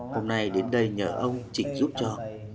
hôm nay đến đây nhờ ông chỉnh giúp cho